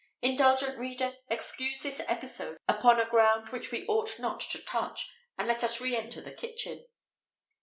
Indulgent reader, excuse this episode upon a ground which we ought not to touch, and let us re enter the kitchen.